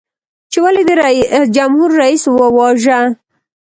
چې ولې دې جمهور رئیس وواژه؟